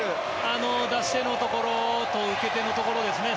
出し手のところと受け手のところですね。